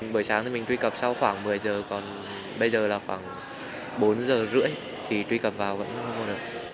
buổi sáng thì mình truy cập sau khoảng một mươi giờ còn bây giờ là khoảng bốn giờ rưỡi thì truy cập vào vẫn mua được